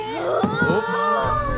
お！